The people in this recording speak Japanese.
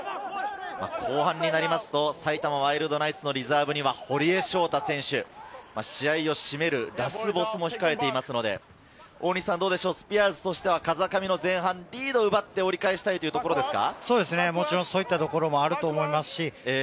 後半になりますと埼玉ワイルドナイツのリザーブには堀江翔太選手、試合を締めるラスボスが控えていますので、スピアーズとしては、風上の前半、リードを奪って、折り返したいというところですか？